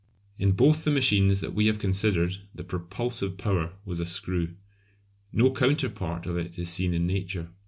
In both the machines that we have considered the propulsive power was a screw. No counterpart of it is seen in Nature.